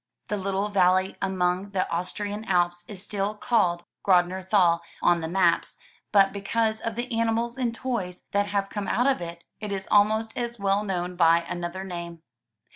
The little valley among the Austrian Alps is still called Grod ner Thai on the maps, but because of the animals and toys that have come out of it, it is almost as well known by another name.